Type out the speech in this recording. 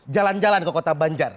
jalan jalan ke kota banjar